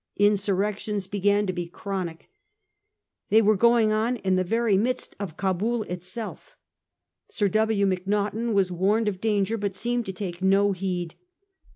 Insurrections began to be chronic. They were going on in the very midst of Cabul itself. Sir W. Macqaghten was warned of danger, but seemed to take no heed.